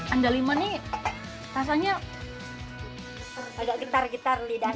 anda lima nih rasanya agak getar getar di dana